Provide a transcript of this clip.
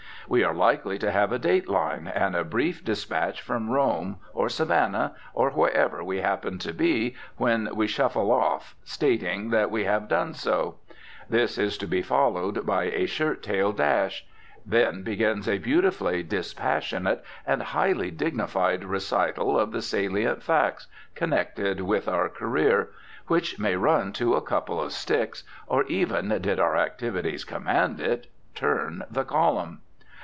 We are likely to have a date line and a brief despatch from Rome, or Savannah, or wherever we happen to be when we shuffle off, stating that we have done so. This to be followed by a "shirt tail dash." Then begins a beautifully dispassionate and highly dignified recital of the salient facts connected with our career, which may run to a couple of sticks, or, even, did our activities command it, turn the column.